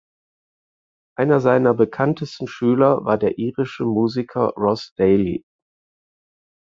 Einer seiner bekanntesten Schüler war der irische Musiker Ross Daly.